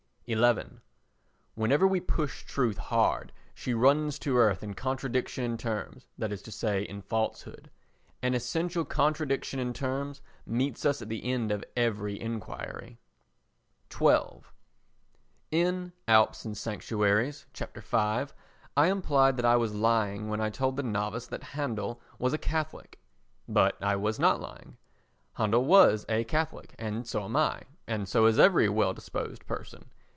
xi Whenever we push truth hard she runs to earth in contradiction in terms, that is to say, in falsehood. An essential contradiction in terms meets us at the end of every enquiry. xii In Alps and Sanctuaries (Chapter V) I implied that I was lying when I told the novice that Handel was a Catholic. But I was not lying; Handel was a Catholic, and so am I, and so is every well disposed person.